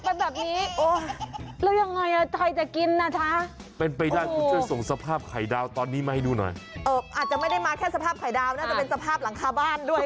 โอเคต้องกรอบ